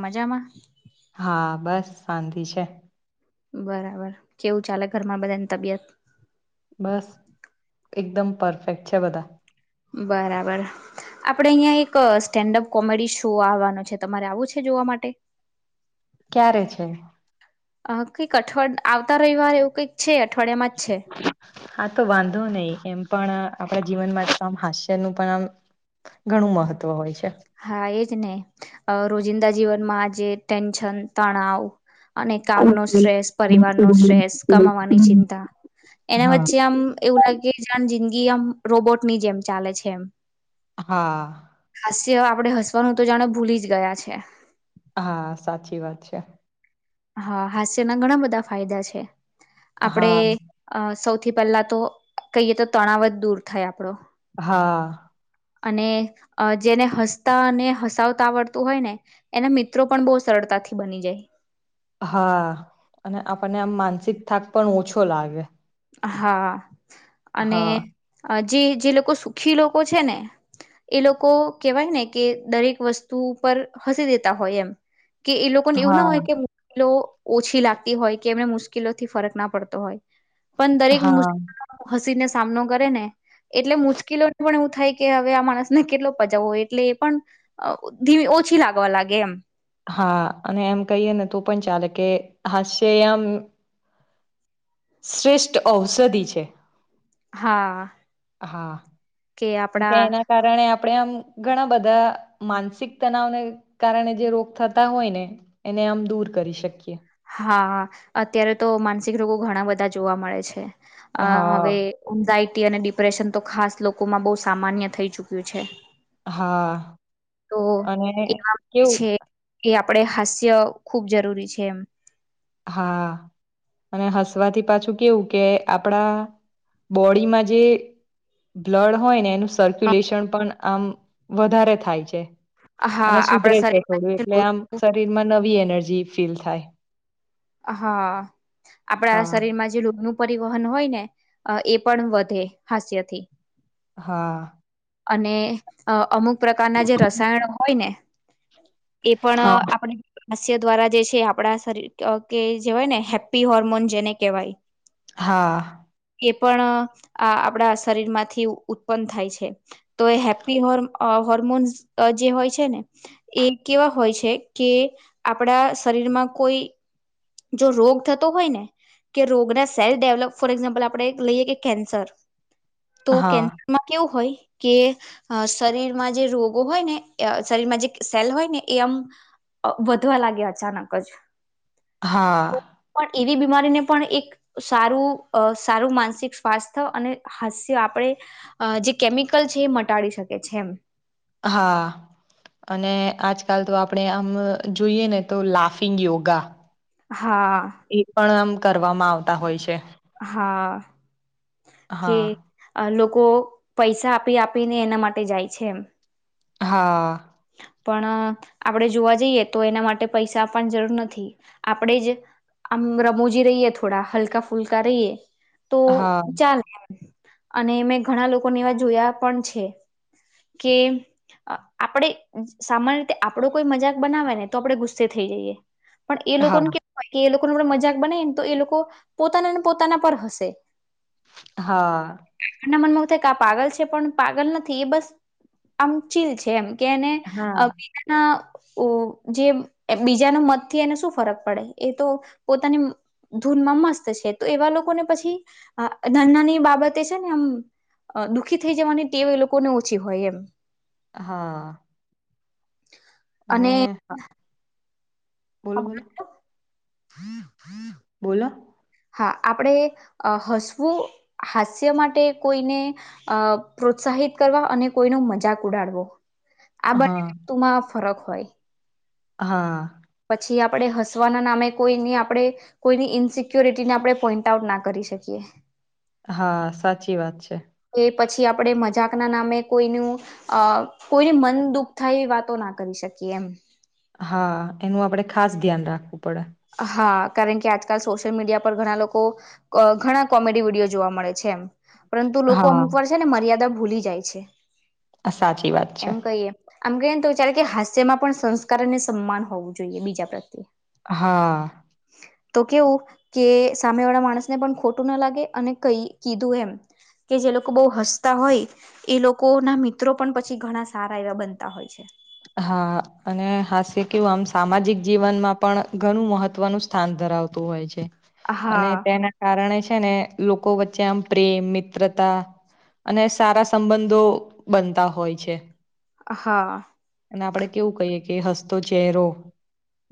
મજામાં હા બસ શાંતિ છે બરાબર કેવું ચાલે ઘરમાં બધાની તબિયત બસ એકદમ પરફેક્ટ છે બધા બરાબર આપડે અહિયાં એક સ્ટેન્ડઅપ કોમેડી શો આવવાનો છે તમારે આવું છે જોવા માટે ક્યારે છે અ કંઈક અઠવાડ આવતા રવિવાર એવું કંઈક છે અઠવાડિયામાં જ છે હા તો વાંધો નહી એમ પણ આપણા જીવનમાં તો આમ હાસ્યનુંું પણ આમ ઘણું મહત્વ હોય છે હા એજ ને રોજિંદા જીવનમાં આજ ટેન્શન તણાવ અને કામ ન સ્ટ્રેસ પરિવાર નો સ્ટ્રેસ કમાવાની ચિંતા એના હા વચ્ચે આમ એવું લાગે જે જિંદગી આમ રોબોટની જેમ ચાલે છે એમ હા જે આપડે હસવાનું તો જાણો ભૂલી જ ગયા છે હા સાચી વાત છે હા હાસ્યના ઘણા બધા ફાયદા છે આપણે હા સૌ ૌ થી પહેલા તો કહીએ તો તણાવ જ દૂર થાય આપડો હા અને જેને હસતા અને હસાવતા આવડતું હોય ને એના મિત્રો પણ બહુ સરળતા તાથી બની જાય હા અને આપણને આમ માનસિક થાક પણ ઓછો લાગે હા અને હા જે જે લોકો સુખી લોકો છે ને એ લોકો કેહેવાય ને કે દરેક વસ્તુ ઉપર હસી દેતા હોય એમ કે એ લોકોને એવું ના હા હોય કેલો ઓછી લાગતી હોય કે એમને મુશ્કેલોથી ફરક ના પડતો હોય પણ દરેક મુશ હા હસીને સામનો કરે ને એટલે મુશ્કેલોને પણ એવું થાય કે હવે આ માણસને કેટલો પજાવો એટલે એ પણ ધીમ ઓછી લાગવા લાગે એમ હા અને એમ કહીએ ને તો પણ ચાલે કે હશે એમ શ્રેષ્ઠ ઔષધિ છે હા હા કેમ કે એના કારણે આપણેે આમ ઘણા બધા માનસિક તનાવને કારણે જે રોગ થતા હોય ને એને આમ દૂર કર કરી શકીએ હા અત્યારે તો માનસિક રોગો ઘણા બધા જોવા મળે છે આ હા, હવે ઊંઢાઈ અને ડિપ્રેશન તો ખાસ લોકોમાં બહુ સામાન્ય થઈ ચુક્યું છે હા તો અને એ કેવું છે એ આમ આપણે હાસ્ય ખૂબ જરૂરી છે એમ હા અને હસવાથી પાછું કેવું કે આપણા બોડીમાં જે બ્લડ હોય ને એનું સર્ક્યુલેશન પણ આમ વધારે થાય છે હા અને આપણા સુધરે છે શરીરમાં થોડું એટલે આમ શરીર માં નવી એનર્જી ફીલ થાય હા આપણા હા, શરીરમાં જે રોગનું પરિવહન હોય ને એ પણ વધે હાસ્યથી હા અને અમુક પ્રકારના જે રસાયણ હોય ને એ પણ હા, આપણે હાસ્ય દ્વારા જે છે આપડા શરીર કે જેવાય ને હેપ્પી હોર્મોન જેને કહેવાય હા એ પણ આ આપણા શરીરમાંથી ઉત્પન્ન થાય છે તો એ હેપ્પી હો હોર્મોન્સ જે હોય છે ને એ કેવા હોય છે કે કે આપડા શરીરમાં કોઈ જો રોગ થતો હોય ને કે રોગના સેલ્ફ ડેવલપ ફોર એક્ઝામ્પલ આપણે લઈએ કે કેન્સર તો હા, કેન્સરમાં કેવું હોય કે શરીરમાં જે રોગો હોય ને શરીરમાં જે સેલ હોય ને એ આમ વધવા લાગ્યા અચાનક જ હા પણ એવી બીમારીને પણ એક સારું સારું માનસિક સ્વાસ્થ્ય અને હાસ્ય આપણે જે કેમિકલ છે એ મટાડી શકે છે એમ હા અને આજકાલ તો આપણે આમ જોઈએ ને તો લાફિંગ યોગા હા એ પણ આમ કરવામાં આવતા હોય છે હમમ કે હા, લોકો પૈસા આપી આપીને એના માટે જાય છે એમ હા પણ આપણેે જોવા જઈએ તો એના માટે પૈસા આપવાની જરૂર નથી આપણેે જ આમ રમોજી રહીએ થોડા હલકા ફુલ્કા રહીએ તો હા, ચાલે અને મેં ઘણા લોકોને એવા જોયા પણ છે કેમ આપણેે સામાન્ય રીતે આપડો કોઈ મજાક બનાવે ને તો આપડે ગુસ્સે થઈ જઈએ પણ એ લોકોને હા, કે એ લોકો મજાક બને ને તો એ લોકો પોતાના ને પોતાના પર હશે હા એના મનમાં આ પાગલ છે પણ પાગલ નથી એ બસ આમ ચીલ છે એમ કેને અમ હા, બીના ઓ જે બીજાના મતથી એને શું ફરક પડે એ તો પોતાની ધૂન મસ્ત છે તો એવા લોકોને પછી ધનાની બાબતે છે ને આમ અ દુઃખી થઈ જવાની તે એ લોકોને ઓછી હોય એમ હા અને આ બોલો બોલો બોલો આપણે હસવું હાસ્ય માટે કોઈને પ્રોત્સા અને કોઈ ન મજાક ઉડાડવો આ બંને હા, વસ્તુમાં ફરક હોય હા પછી આપણે હસવાના નામે કોઈની આપણે કોઈની ઇનસિક્યોરિટીને આપણે પોઈન્ટ આઉટ ના કરી શકીએ હા સાચી વાત છે કે પછી આપણે મજાકના નામે કોઈનું કોઈને મન દુઃખ થાય એવી વાતો ના કરી શકીએ કેમ હા એનું આપડે ખાસ ધ્યાન રાખવું પડે હા કારણ કે આજકાલ સોશિયલ મીડિયા પર ઘણા લોકો ઘણા કોમેડી વિડીિયો જોવા મળે છે એમ પરંતુ લોકો હા અમુક વાર છે ને મર્યાદા ભૂલી જાય છે આ સાચી વાત છે એમ કહીએ આમ કહીએ ને તો વિચારે કે હાસ્યમાં પણ સંસ્કાર અને સન્માન હોવું જોઈએ બીજા પ્રત્યે હા તો કેવું કે સામે વાળા માણસ ને પણ ખોટું ના લાગે અને કઈ કીધું એમ કે જે લોકો બહુ હસતા હોય એ લોકો ના મિત્રો પણ પછી ઘણા સારા એવા બનતા હોય છે હા અને હાસ્ય કેવું આમ સામાજિક જીવનમાં પણ ઘણું મહત્વનું સ્થાન ધર થતું હોય છે અને હા તેના કારણે છે ને લોકો વચ્ચે આમ પ્રેમ મિત્રતા અને સારા સંબંધો બનતા હોય છે હા અને આપડે કેવું કહીએ કે હસતો ચહેરો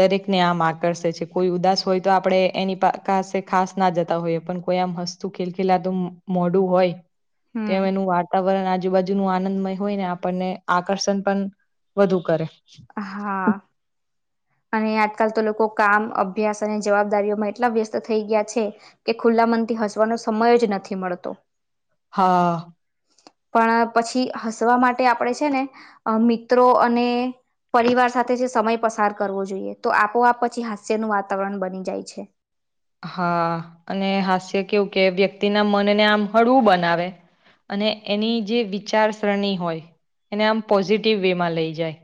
દરેકને આમ આકર્ષે છે કોઈ ઉદાસ હોય તો આપડે એની પાસે ખાસ ના જતા હોઈએ પણ કોઈ આમ હસ્તું ખિલખિલા તુ મોઢું હોય તેમ હમ એનું વાતાવરણ આજુબાજુ નુ આનંદમય હોય ને આપણને આકર્ષણ પણ વધુ કરે હા અને આજકાલ તો લોકો કામ અભ્યાસ અને જવાબદારીઓમાં એટલા વ્યસ્ત થઈ ગયા છે કે ખુલ્લા મન થી હસવાનો સમય જ નથી મળતો હા પણ પછી હસવા માટે આપણે છે ને મિત્રો અને પરિવાર સાથે જે સમય પસાર કરવો જોઈએ તો આપોઆપ પછી હાસ્યનું વાતાવરણ બની જાય છે હા અને હાસ્ય કેવું કે વ્યક્તિના મનને આમ હળવું બનાવે અને એની જે વિચારસરણી હોય એને આમ પોઝિટિવ વે માં લઈ જાય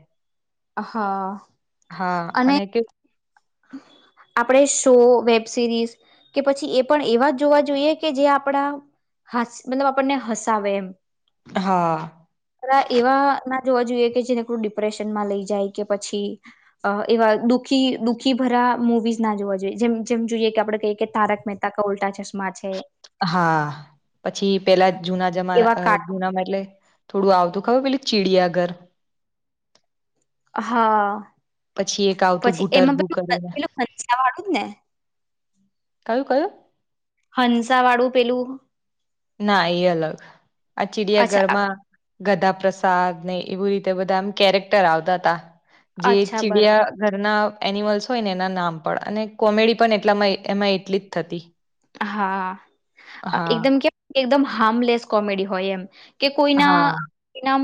હા હા અને કે આપણેે શો વેબ સિરીઝ કે પછી એ પણ એવા જોવા જોઈએ કે જે આપડા હ મતલબ આપણને હસાવે એમ હા એવા જોવા જોઈએ કે ડિપ્રેશનમાં લઈ જાય કે પછી એવા દુઃખી દુખી આખી ભરા મુવીઝ ના જોવા જોઈએ જેમ જેમ જોઈએ કે આપણે કહીએ કે તારક મહેતા ક ઉલ્ટા ચશ્મા છે હા પછી પેલા જૂના એવા જમાના કાર્ટૂન જૂનામાં એટલે થોડું આવતું ખબર પેલુ ચીડિયાઘર હા પછી એક આવતું પછી એમાં ગુટરગુ પલું કરીને પેલું કચરા વાળું જ ને કયું કયું હંસા વાળું પેલું ના એ અલગ આ ચિડિયા અચ્છા ઘરમાં ગધા પ્રસાદ ને એવું રીતે બધા એમ કેરેક્ટર આવતા હતા જે અચ્છા બરાબર ચીડિયા ઘરના એનિમલ્સ હોય ને એના નામ પણ અને કોમેડી પણ એટલામાં એમાં એટલી જ થતી હા હા, એકદમ કે એકદમ હાર્મલેસ કોમેડી હોય એમ કે કોઈના હા, કો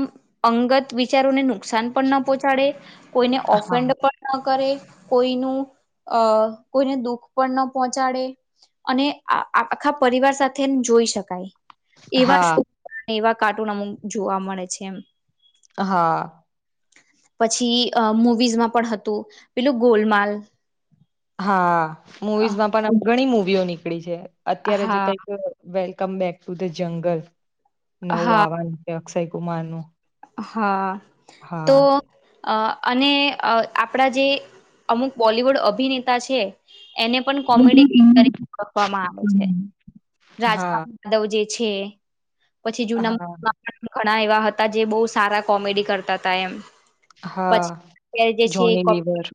અંગત વિચારોને નુકસાન પણ ના પહોંચાડે કોઈને હા, ઓફેન્ડ પણ કરે કોઈનું અ કોઈને દુઃખ પણ ન પહોંચાડે અને આખા પરિવાર સાથે જોઈ શકાય એવા હા, શો એવા કાર્ટૂન અમુક જોવા મળે છે એમ હા પછી અ મુવીઝમાં પણ હતું પેલું ગોલમાલ હા મુવીઝમાં પણ ઘણી મુવીઓ નીકળી છે અત્યારે જે હા કઈક વ ક બેક ટુ ધ જંગલ નવું હા આવવાનું છે અક્ષય કુમાર નું હા તો હા અ અને આપણા જે અમુક બોલિવુડ અભિનેતા છે એને પણ કોમેડી ક તરીકે ઓવામાં આવે છે રાજપાલ હા, યાદવ જે પછી જૂના હા, ઘણા એવા હતા હતા જે બહુ સારા કોમેડી કરતા હતા એમ હા, પછી અત જે છે જોની કો લીવર.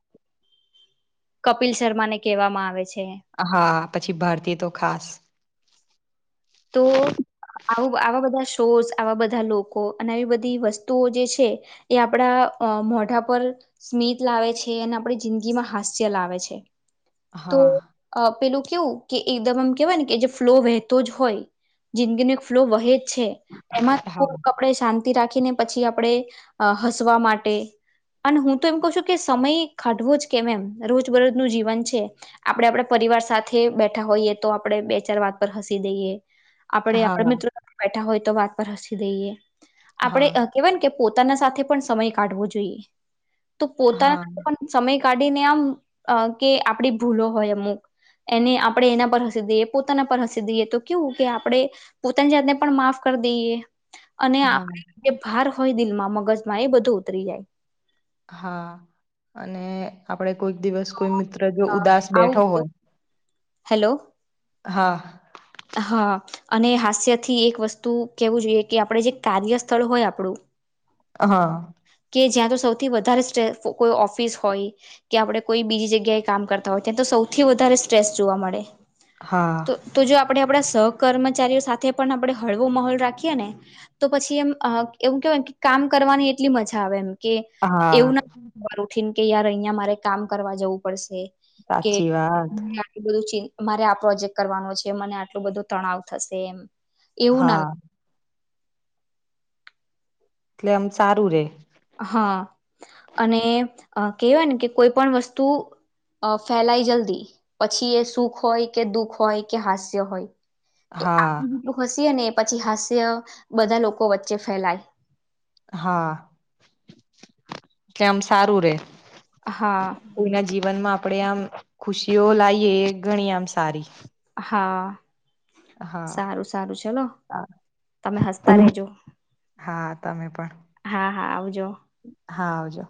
કપિલ શર્મા ને કહેવામાં આવે છે હા પછી ભારતીય તો ખાસ તો આયુ આવા બધા શોર્સ આવા બધા લોકો અને આવી બધી વસ્તુઓ જે છે એ આપડા અ મોઢા પર સ્મિત લાવે છે અને આપણી જિંદગી માં હાસ્ય લાવે છે તો હા અ પેલું કેવું કે એકદમ આમ કેવાય ને કે જે ફ્લો વહેતો જ હોય જિંદગી ન ફ્લો વહે જ છે એમાં હા કપડ શાંત રાખીને પછી આપણે હસવા માટે અને હું તો એમ કહ છું કે સમય ઘાઢવો જ કેમ એમ રોજ બરોજ ન જીવન છે આપડે આપડ પરિવાર સાથે બેઠા હોઈએ તો આપડણે બે ચાર વાત પર હસી દઈએ આપડ આપડ હા મિત્રો બેઠા હોય તો વાત પર હસી દઈએ આપડે હા કેવાય કે પોતાના સાથે પણ સમય કાઢવો જોઈએ તો હા પોતાના પણ સમય કાઢીને આમ કે આપડી ભૂલો હોય અમુક એને આપડણે એના પર હસી દઈએ પોતાના પર હસી દઈએ તો ક્યું કી આપણે પોતાની જાતને પણ માફ કરી દઈએ અને આપ હા બાર થય દિલમાં મગજમાં એ બધું ઉતરી જાય હા અને આપડે કોઈક દિવસ કોઈ મિત્ર જો અ ઉદાસ આવું બેઠો બધું હોય હેલો હા હા અને હાસ્ય થી એક વસ્તુ કેવું જોઈએ કે આપણે જે કાર્યસ્થળ હોય આપણું હા કે જ્યાં તો સૌથી વધારે સ કોઈ ઓફિસ હોય કે આપણે કોઈ બીજી જગ્યાએ કામ કરતા હોય ત્યા સૌથી વધારે સ્ટ્રેસ જોવા મળે હા જો આપ આપણે આપણા સહ કર્મચારીઓ સાથે પણ આપણે હળવો માહોલ રાખીએ ને તો પછી એમ એવું કે કામ કરવાની એ એટલી મજા આવે એમ કે એવું હા નથી ખબર ઉઠીને કે યાર અહિયાં મારે કામ કરવા જવું પડશે કે સાચી વાત આપડું બધું છે મારે આ પ્રોજેક્ટ કરવાનો છે મને આટલું બધું તણાવ થશે એમ એવું ના હા એટલે આમ સારું રે હા અને કેહેવાય ને કે કોઈ પણ વસ્તુ અ ફેલાય જલ્દી પછી એ સુખ હોય કે દુઃખ હોય કે હાસ્ય હોય તો હા આું જેટલું હસીએ ને પછી હાસ્ય બધા લોકો વચ્ચે ફેલાય હા કેમ આમ સારું રે હા કોઈના જીવનમાં આપણેે આમ ખુશીઓ લાઈએ ગણી આમ સારી હા હા સારું સારું ચલો તમે હસતા રેજો હા તમે પણ હા હા આવું જો હા આવજો